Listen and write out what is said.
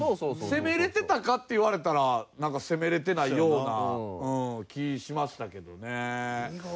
攻めれてたかって言われたらなんか攻めれてないような気しましたけどね。